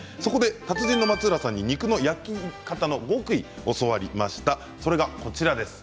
達人の松浦さんに、肉の焼き方の極意を教わりました。